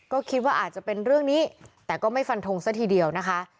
ก็คิดว่าอาจจะเป็นเรื่องนี้แต่ก็ไม่ฟันทงซะทีเดียวนะคะ